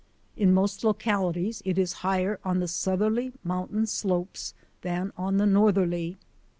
In most localities it is higher on the south erly mountain slopes than on the northerly.